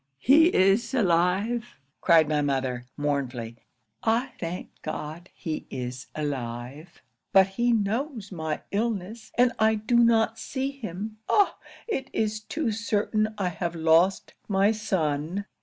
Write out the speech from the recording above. '"He is alive!" cried my mother, mournfully "I thank God he is alive; but he knows my illness, and I do not see him Ah! it is too certain I have lost my son!"